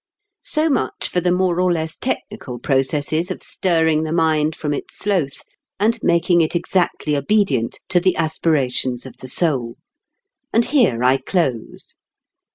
So much for the more or less technical processes of stirring the mind from its sloth and making it exactly obedient to the aspirations of the soul. And here I close.